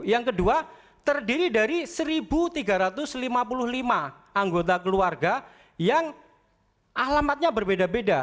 yang kedua terdiri dari satu tiga ratus lima puluh lima anggota keluarga yang alamatnya berbeda beda